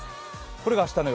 これが明日の夜。